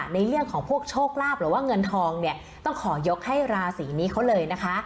ในเรื่องของพวกโชคลาภหรือว่าเงินทองเนี่ยต้องขอยกให้ราศีนี้เขาเลยนะคะ